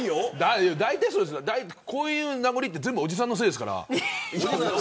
こういう名残って全部おじさんのせいですから。